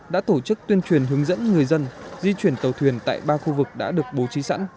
đã tổ chức tuyên truyền hướng dẫn người dân di chuyển tàu thuyền tại ba khu vực đã được bố trí sẵn